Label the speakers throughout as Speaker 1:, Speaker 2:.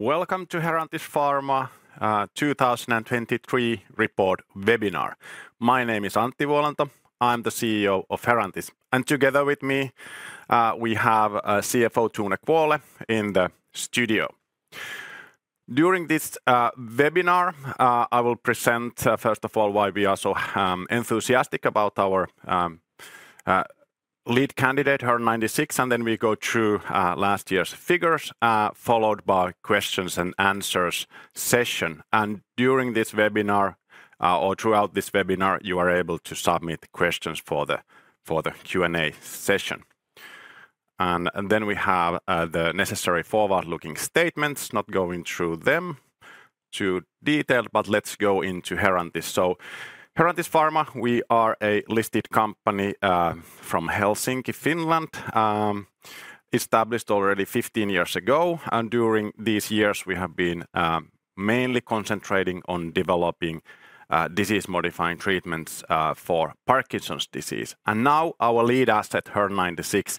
Speaker 1: Welcome to Herantis Pharma 2023 report webinar. My name is Antti Vuolanto. I'm the CEO of Herantis. Together with me we have CFO Tone Kvåle in the studio. During this webinar I will present first of all why we are so enthusiastic about our lead candidate HER-096. Then we go through last year's figures followed by a questions and answers session. During this webinar or throughout this webinar you are able to submit questions for the Q&A session. Then we have the necessary forward-looking statements. Not going through them too detailed but let's go into Herantis. Herantis Pharma we are a listed company from Helsinki, Finland. Established already 15 years ago. During these years we have been mainly concentrating on developing disease-modifying treatments for Parkinson's disease. And now our lead asset HER-096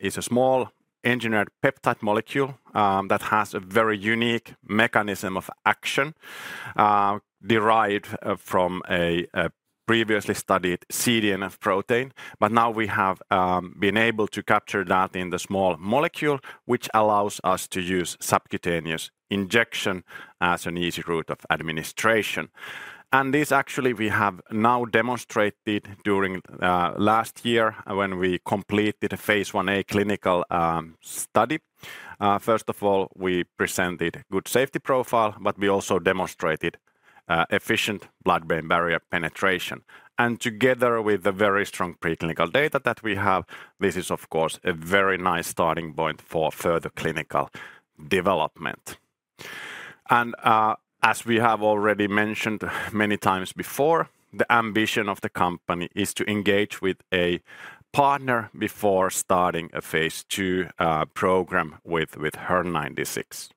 Speaker 1: is a small engineered peptide molecule that has a very unique mechanism of action derived from a previously studied CDNF. But now we have been able to capture that in the small molecule which allows us to use subcutaneous injection as an easy route of administration. And this actually we have now demonstrated during last year when we completed a Phase 1a clinical study. First of all we presented a good safety profile but we also demonstrated efficient blood-brain barrier penetration. And together with the very strong preclinical data that we have this is of course a very nice starting point for further clinical development. And as we have already mentioned many times before the ambition of the company is to engage with a partner before starting a Phase 2 program with HER-096.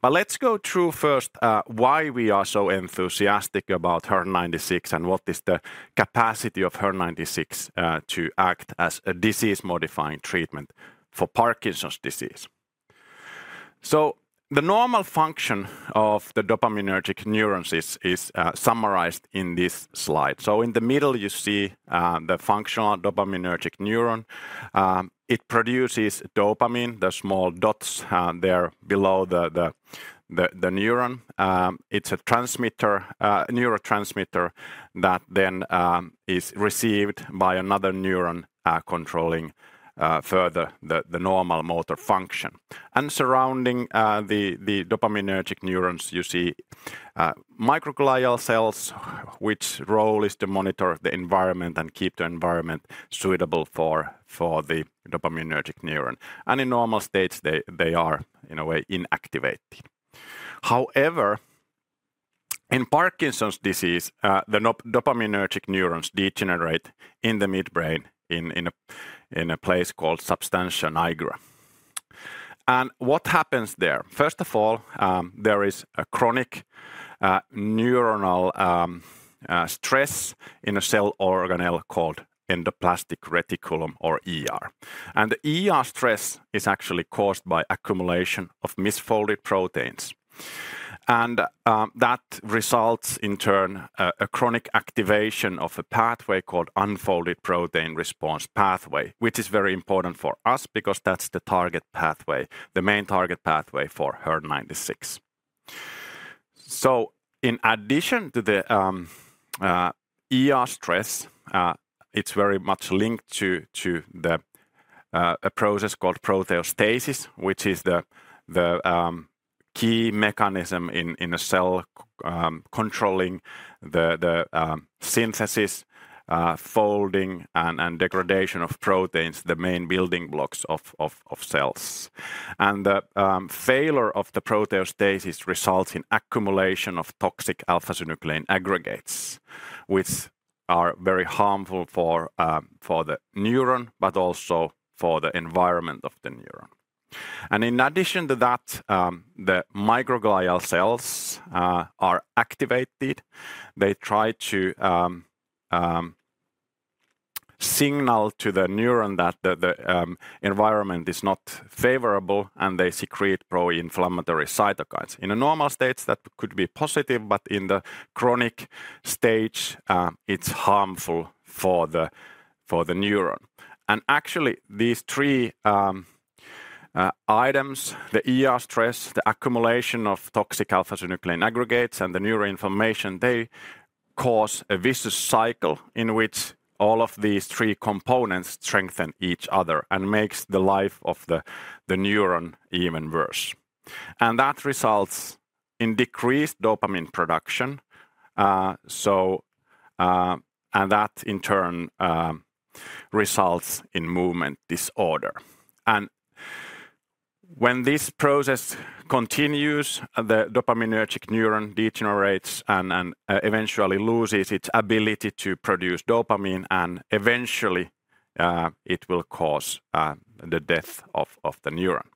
Speaker 1: But let's go through first why we are so enthusiastic about HER-096 and what is the capacity of HER-096 to act as a disease-modifying treatment for Parkinson's disease. So the normal function of the dopaminergic neurons is summarized in this slide. So in the middle you see the functional dopaminergic neuron. It produces dopamine, the small dots there below the neuron. It's a neurotransmitter that then is received by another neuron controlling further the normal motor function. And surrounding the dopaminergic neurons you see microglial cells, which role is to monitor the environment and keep the environment suitable for the dopaminergic neuron. And in normal states they are in a way inactivated. However in Parkinson's disease the dopaminergic neurons degenerate in the midbrain in a place called Substantia nigra. And what happens there? First of all there is a chronic neuronal stress in a cell organelle called endoplasmic reticulum. And the stress is actually caused by accumulation of misfolded proteins. And that results in turn in a chronic activation of a pathway called unfolded protein response pathway which is very important for us because that's the target pathway, the main target pathway for HER96. So in addition to the stress it's very much linked to a process called proteostasis which is the key mechanism in a cell controlling the synthesis, folding and degradation of proteins, the main building blocks of cells. And the failure of the proteostasis results in accumulation of toxic alpha-synuclein aggregates which are very harmful for the neuron but also for the environment of the neuron. And in addition to that the microglial cells are activated. They try to signal to the neuron that the environment is not favorable and they secrete pro-inflammatory cytokines. In the normal states that could be positive but in the chronic stage it's harmful for the neuron. Actually these three items, the stress, the accumulation of toxic alpha-synuclein aggregates and the neuroinflammation, they cause a vicious cycle in which all of these three components strengthen each other and make the life of the neuron even worse. That results in decreased dopamine production and that in turn results in movement disorder. When this process continues the dopaminergic neuron degenerates and eventually loses its ability to produce dopamine and eventually it will cause the death of the neuron.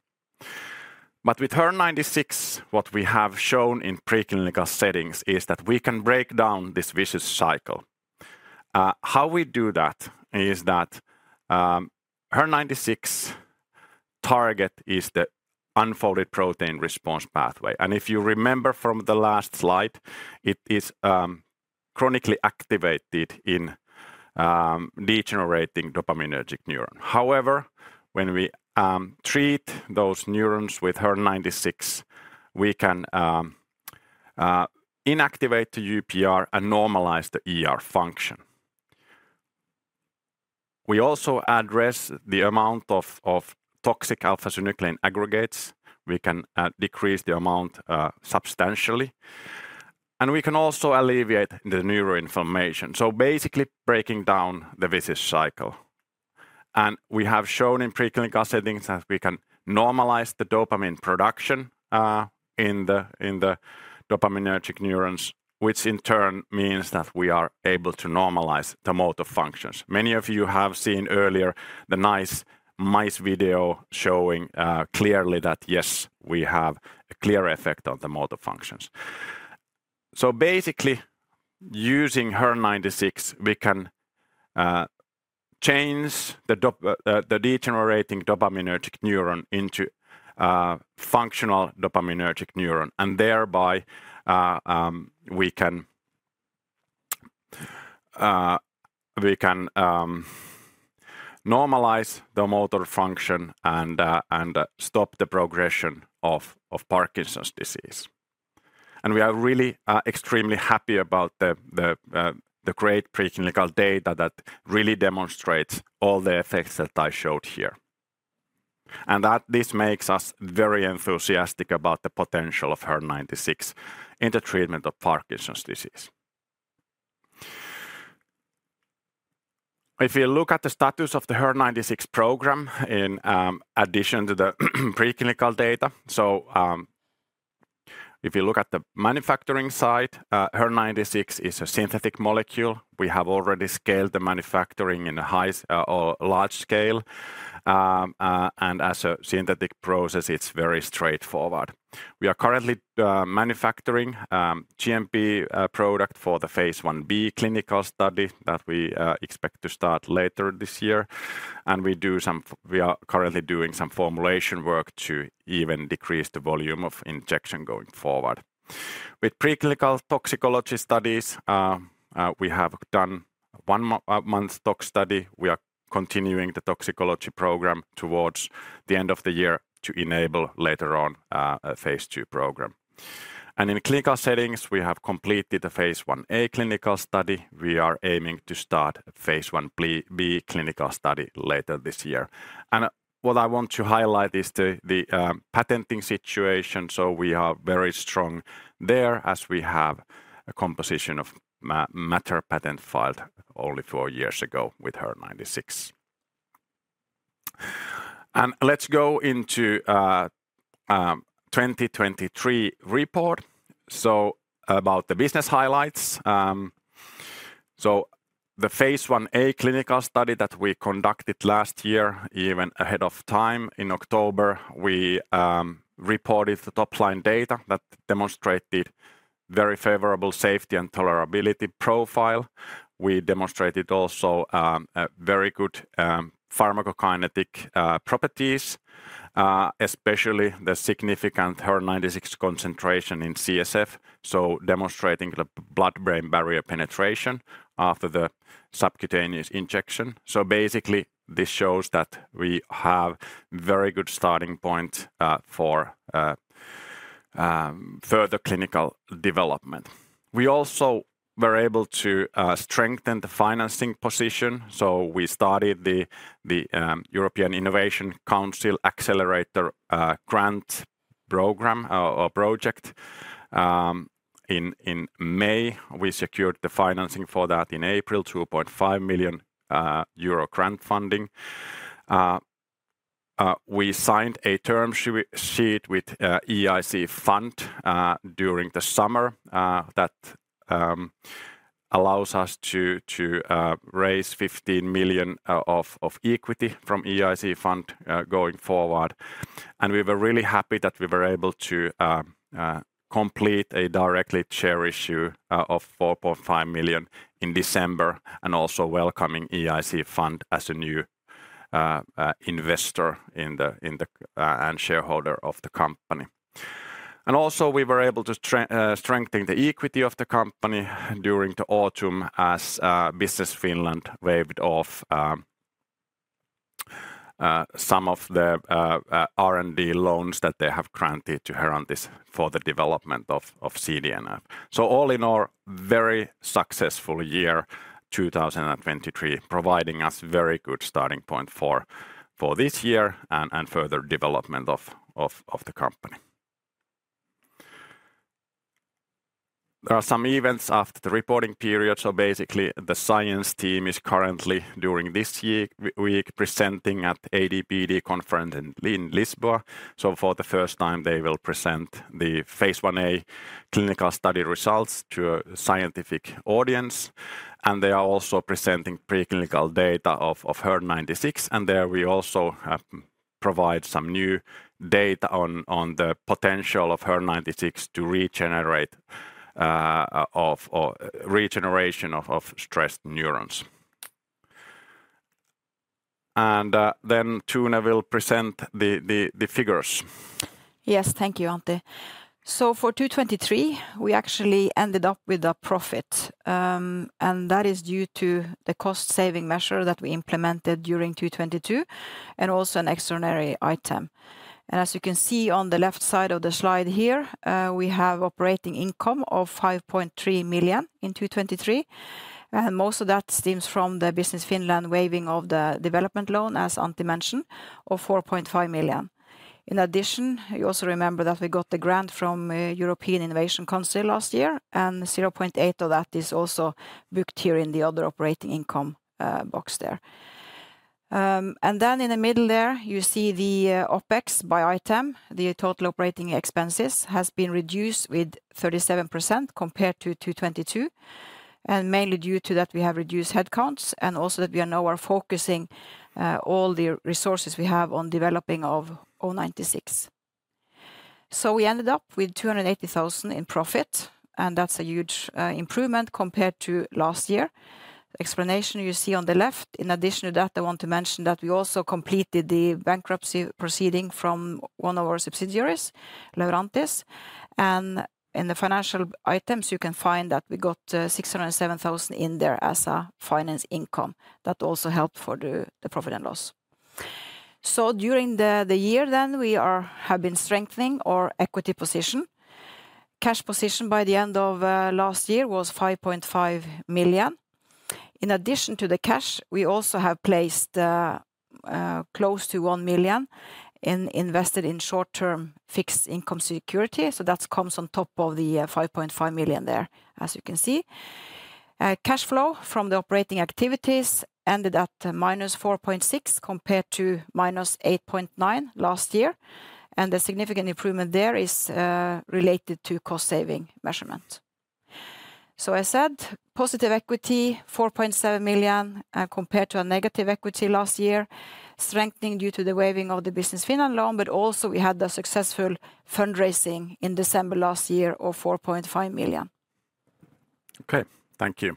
Speaker 1: But with HER-096 what we have shown in preclinical settings is that we can break down this vicious cycle. How we do that is that HER-096's target is the unfolded protein response pathway. If you remember from the last slide it is chronically activated in degenerating dopaminergic neurons. However when we treat those neurons with HER-096 we can inactivate the UPR and normalize the function. We also address the amount of toxic alpha-synuclein aggregates. We can decrease the amount substantially. We can also alleviate the neuroinflammation. So basically breaking down the vicious cycle. We have shown in preclinical settings that we can normalize the dopamine production in the dopaminergic neurons which in turn means that we are able to normalize the motor functions. Many of you have seen earlier the nice mice video showing clearly that yes we have a clear effect on the motor functions. So basically using HER-096 we can change the degenerating dopaminergic neuron into a functional dopaminergic neuron. And thereby we can normalize the motor function and stop the progression of Parkinson's disease. We are really extremely happy about the great preclinical data that really demonstrates all the effects that I showed here. This makes us very enthusiastic about the potential of HER-096 in the treatment of Parkinson's disease. If you look at the status of the HER-096 program in addition to the preclinical data, so if you look at the manufacturing side, HER-096 is a synthetic molecule. We have already scaled the manufacturing in a large scale. As a synthetic process it's very straightforward. We are currently manufacturing a GMP product for the Phase 1b clinical study that we expect to start later this year. We are currently doing some formulation work to even decrease the volume of injection going forward. With preclinical toxicology studies we have done a one-month tox study. We are continuing the toxicology program towards the end of the year to enable later on a Phase 2 program. In clinical settings we have completed a Phase 1a clinical study. We are aiming to start a Phase 1b clinical study later this year. What I want to highlight is the patenting situation. We are very strong there as we have a composition of matter patent filed only four years ago with HER-096. Let's go into the 2023 report. About the business highlights. The Phase 1a clinical study that we conducted last year even ahead of time in October, we reported the top-line data that demonstrated a very favorable safety and tolerability profile. We demonstrated also very good pharmacokinetic properties, especially the significant HER-096 concentration in CSF, so demonstrating the blood-brain barrier penetration after the subcutaneous injection. So basically this shows that we have a very good starting point for further clinical development. We also were able to strengthen the financing position. We started the European Innovation Council Accelerator Grant Program or Project. In May we secured the financing for that in April 2.5 million euro grant funding. We signed a term sheet with EIC Fund during the summer that allows us to raise 15 million of equity from EIC Fund going forward. We were really happy that we were able to complete a direct share issue of 4.5 million in December and also welcoming EIC Fund as a new investor and shareholder of the company. We also were able to strengthen the equity of the company during the autumn as Business Finland waived off some of the R&D loans that they have granted to Herantis for the development of CDNF. So all in all a very successful year 2023, providing us a very good starting point for this year and further development of the company. There are some events after the reporting period. So basically the science team is currently during this week presenting at the AD/PD conference in Lisbon. So for the first time they will present the Phase 1a clinical study results to a scientific audience. And they are also presenting preclinical data of HER-096. And there we also provide some new data on the potential of HER-096 for regeneration of stressed neurons. And then Tone will present the figures. Yes, thank you Antti. So for 2023 we actually ended up with a profit. And that is due to the cost-saving measure that we implemented during 2022, and also an extraordinary item. As you can see on the left side of the slide here, we have operating income of 5.3 million in 2023. Most of that stems from the Business Finland waving off the development loan, as Antti mentioned, of 4.5 million. In addition you also remember that we got the grant from the European Innovation Council last year, and 0.8 of that is also booked here in the other operating income box there. Then in the middle there you see the OPEX by item. The total operating expenses have been reduced with 37% compared to 2022. Mainly due to that we have reduced headcounts, and also that we are now focusing all the resources we have on developing of HER-096. So we ended up with 280,000 in profit, and that's a huge improvement compared to last year. The explanation you see on the left, in addition to that, I want to mention that we also completed the bankruptcy proceeding from one of our subsidiaries, Laurantis. In the financial items you can find that we got 607,000 in there as a finance income. That also helped for the profit and loss. During the year then we have been strengthening our equity position. Cash position by the end of last year was 5.5 million. In addition to the cash we also have placed close to 1 million, invested in short-term fixed income security. That comes on top of the 5.5 million there as you can see. Cash flow from the operating activities ended at -4.6 million compared to -8.9 million last year. The significant improvement there is related to cost-saving measurements. I said positive equity 4.7 million compared to a negative equity last year. Strengthening due to the waiving of the Business Finland loan, but also we had the successful fundraising in December last year of 4.5 million. Okay, thank you.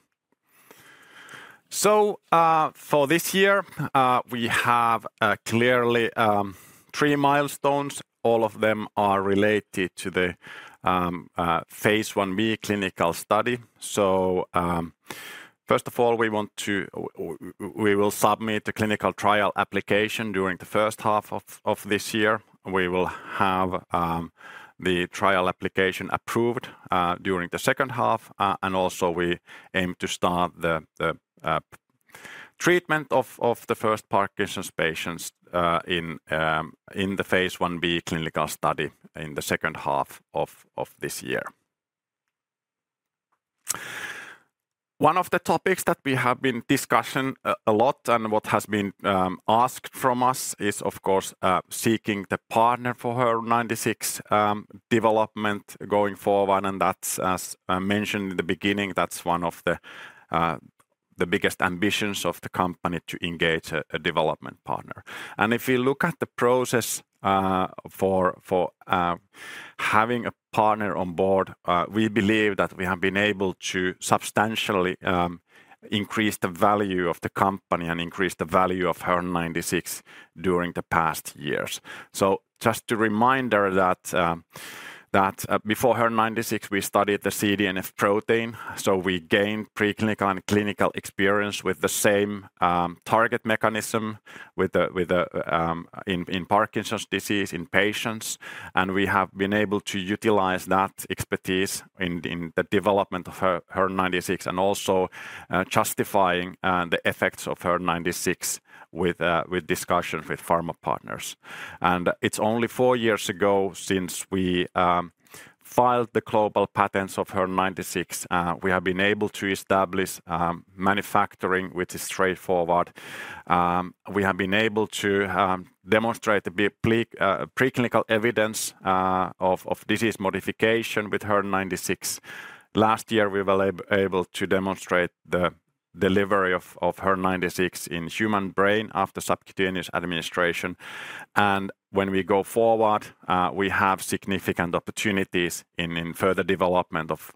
Speaker 1: For this year we have clearly three milestones. All of them are related to the phase 1b clinical study. First of all we will submit a clinical trial application during the first half of this year. We will have the trial application approved during the second half. We aim to start the treatment of the first Parkinson's patients, in the phase 1b clinical study in the second half of this year. One of the topics that we have been discussing a lot, and what has been asked from us, is of course seeking the partner for HER-096 development going forward. That's as mentioned in the beginning, that's one of the biggest ambitions of the company, to engage a development partner. If we look at the process for having a partner on board, we believe that we have been able to substantially increase the value of the company and increase the value of HER-096 during the past years. So just a reminder that before HER-096 we studied the CDNF protein. So we gained preclinical and clinical experience with the same target mechanism in Parkinson's disease in patients. And we have been able to utilize that expertise in the development of HER-096 and also justifying the effects of HER-096 with discussions with pharma partners. And it's only four years ago since we filed the global patents of HER-096 we have been able to establish manufacturing which is straightforward. We have been able to demonstrate a preclinical evidence of disease modification with HER-096. Last year we were able to demonstrate the delivery of HER-096 in human brain after subcutaneous administration. When we go forward we have significant opportunities in further development of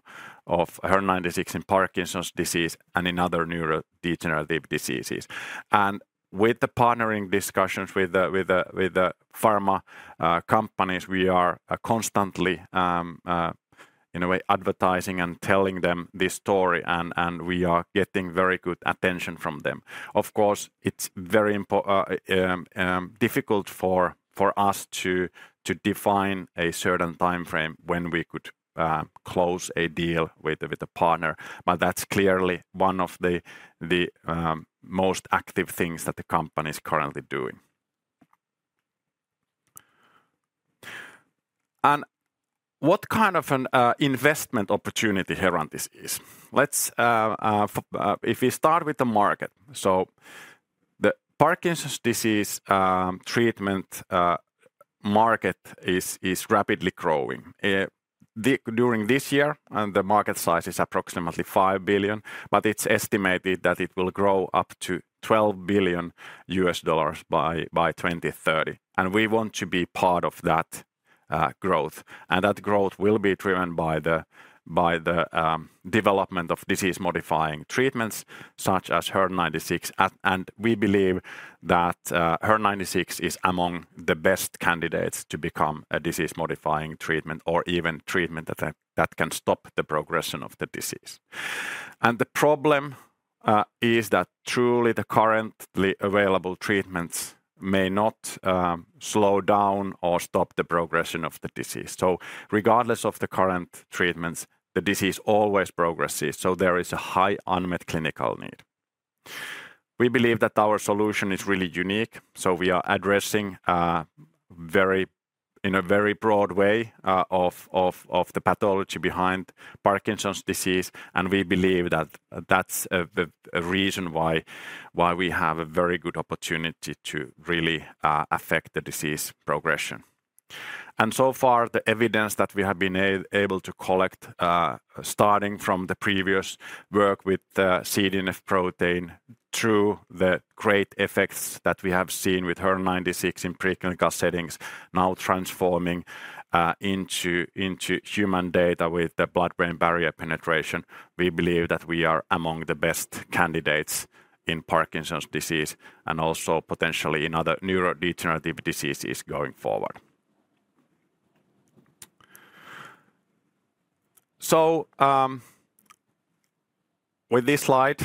Speaker 1: HER-096 in Parkinson's disease and in other neurodegenerative diseases. With the partnering discussions with the pharma companies, we are constantly, in a way, advertising and telling them this story. We are getting very good attention from them. Of course it's very difficult for us to define a certain time frame when we could close a deal with a partner. But that's clearly one of the most active things that the company is currently doing. What kind of an investment opportunity Herantis is? Let's, if we start with the market. The Parkinson's disease treatment market is rapidly growing. During this year the market size is approximately $5 billion. But it's estimated that it will grow up to $12 billion by 2030. We want to be part of that growth. That growth will be driven by the by the development of disease-modifying treatments such as HER96. We believe that HER96 is among the best candidates to become a disease-modifying treatment or even treatment that can stop the progression of the disease. The problem is that truly the currently available treatments may not slow down or stop the progression of the disease. So regardless of the current treatments the disease always progresses. There is a high unmet clinical need. We believe that our solution is really unique. We are addressing very in a very broad way of the pathology behind Parkinson's disease. We believe that that's a reason why we have a very good opportunity to really affect the disease progression. And so far the evidence that we have been able to collect, starting from the previous work with the CDNF, through the great effects that we have seen with HER-096 in preclinical settings, now transforming into human data with the blood-brain barrier penetration, we believe that we are among the best candidates in Parkinson's disease and also potentially in other neurodegenerative diseases going forward. So, this slide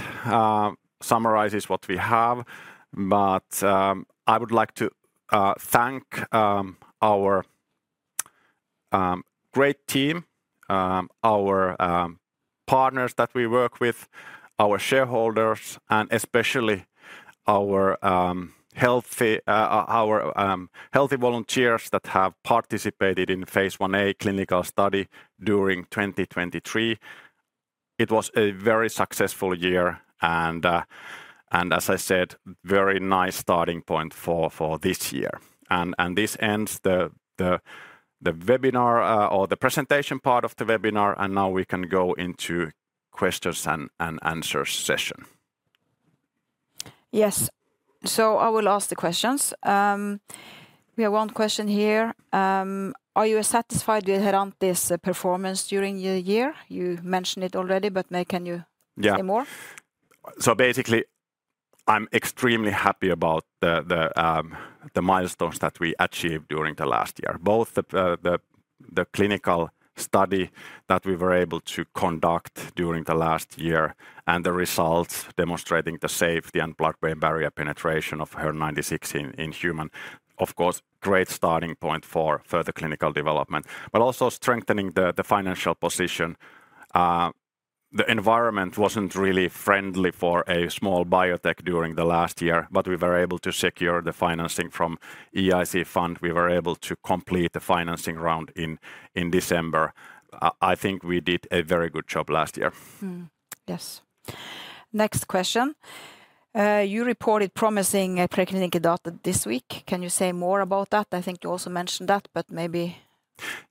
Speaker 1: summarizes what we have. But I would like to thank our great team, our partners that we work with, our shareholders and especially our healthy volunteers that have participated in phase 1a clinical study during 2023. It was a very successful year and, as I said, very nice starting point for this year. And this ends the webinar or the presentation part of the webinar. And now we can go into questions and answers session.
Speaker 2: Yes, so I will ask the questions. We have one question here. Are you satisfied with Herantis' performance during the year? You mentioned it already but can you say more?
Speaker 1: So basically I'm extremely happy about the milestones that we achieved during the last year. Both the clinical study that we were able to conduct during the last year and the results demonstrating the safety and blood-brain barrier penetration of HER-096 in human. Of course great starting point for further clinical development. But also strengthening the financial position. The environment wasn't really friendly for a small biotech during the last year. But we were able to secure the financing from EIC Fund. We were able to complete the financing round in December. I think we did a very good job last year.
Speaker 2: Yes. Next question. You reported promising preclinical data this week. Can you say more about that? I think you also mentioned that but maybe...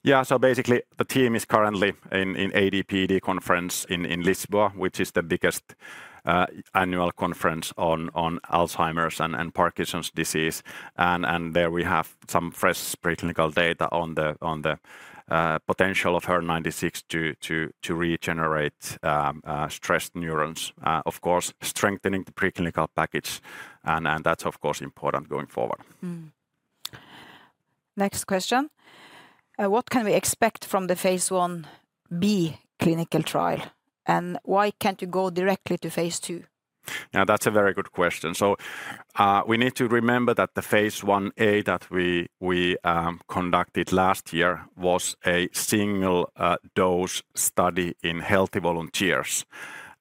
Speaker 1: Yeah, so basically the team is currently in AD/PD conference in Lisbon—which is the biggest annual conference on Alzheimer's and Parkinson's disease. And there we have some fresh preclinical data on the potential of HER-096 to regenerate stressed neurons. Of course strengthening the preclinical package. And that's of course important going forward.
Speaker 2: Next question. What can we expect from the phase 1b clinical trial? And why can't you go directly to phase 2?
Speaker 1: Now that's a very good question. So we need to remember that the phase 1a that we conducted last year—was a single-dose study in healthy volunteers.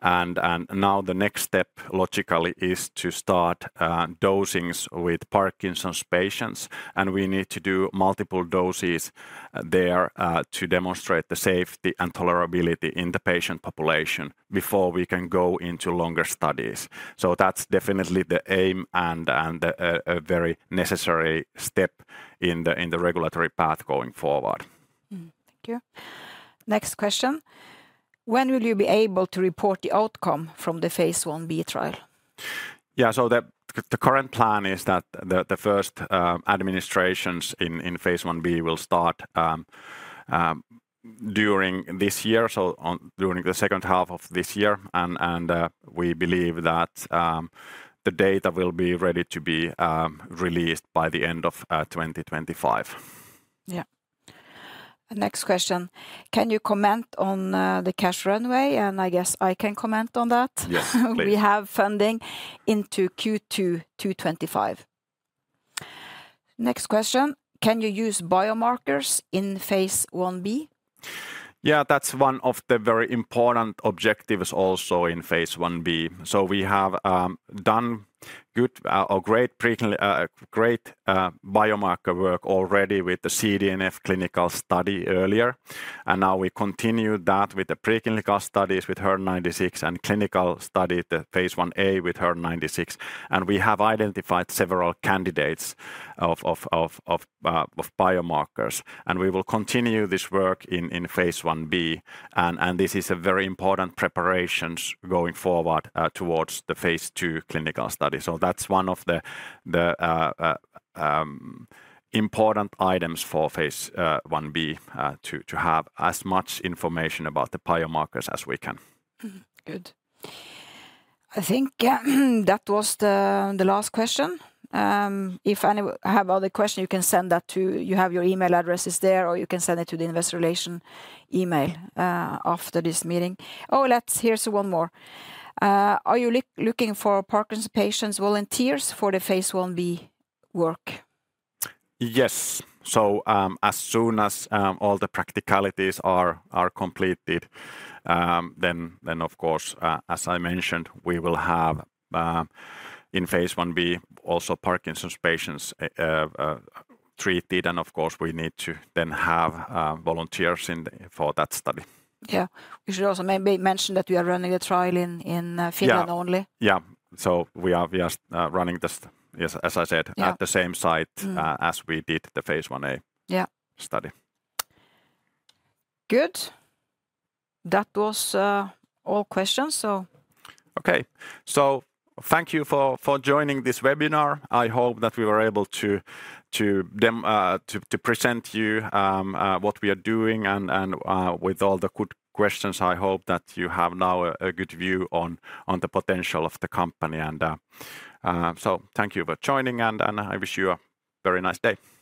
Speaker 1: And now the next step logically is to start dosings with Parkinson's patients. And we need to do multiple doses there—to demonstrate the safety and tolerability in the patient population—before we can go into longer studies. So that's definitely the aim and a very necessary step in the regulatory path going forward.
Speaker 2: Thank you. Next question. When will you be able to report the outcome from the phase 1b trial?
Speaker 1: Yeah, so the current plan is that the first administrations in phase 1b will start during this year, so during the second half of this year. And we believe that the data will be ready to be released by the end of 2025.
Speaker 2: Yeah. Next question. Can you comment on the cash runway? And I guess I can comment on that. Yes, please. We have funding into Q2 2025. Next question. Can you use biomarkers in phase 1b?
Speaker 1: Yeah, that's one of the very important objectives also in phase 1b. So we have done good or great biomarker work already with the CDNF clinical study earlier. And now we continue that with the preclinical studies with HER96 and clinical study the phase 1a with HER96. And we have identified several candidates of biomarkers. And we will continue this work in phase 1b. And this is a very important preparation going forward towards the phase 2 clinical study. So that's one of the important items for phase 1b to have as much information about the biomarkers as we can.
Speaker 2: Good. I think that was the last question. If any have other questions you can send that to you have your email address is there or you can send it to the investor relations email after this meeting. Oh, here's one more. Are you looking for Parkinson's patients volunteers for the phase 1b work?
Speaker 1: Yes, so as soon as all the practicalities are completed, then of course as I mentioned we will have in phase 1b also Parkinson's patients treated and of course we need to then have volunteers in for that study. Yeah, we should also maybe mention that we are running the trial in Finland only. Yeah, so we are just running this as I said at the same site, as we did the phase 1a study.
Speaker 2: Yeah. Good. That was all questions, so...
Speaker 1: Okay, so thank you for joining this webinar. I hope that we were able to to present you what we are doing and with all the good questions. I hope that you have now a good view on the potential of the company. And so thank you for joining and I wish you a very nice day.